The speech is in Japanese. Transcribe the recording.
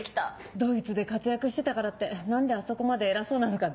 ドイツで活躍してたからって何であそこまで偉そうなのかね。